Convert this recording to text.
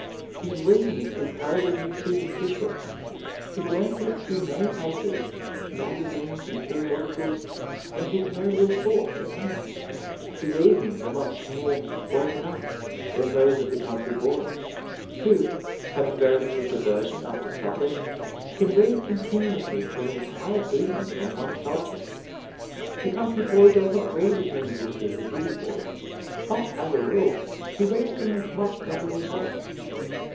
His reading is comparatively superficial. He glances through many papers; magazines and periodicals and gives no real thought to any. His evenings are much more broken up than those of the country boy, who, having very little diversion after supper, can read continuously for an entire evening on one subject. The country boy does not read as many books as the city boy, but, as a rule, he reads them with much better results.